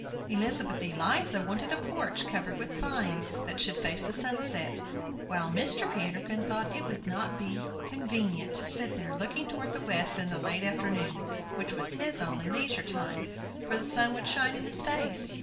Elizabeth Eliza wanted a porch covered with vines, that should face the sunset; while Mr. Peterkin thought it would not be convenient to sit there looking towards the west in the late afternoon (which was his only leisure time), for the sun would shine in his face.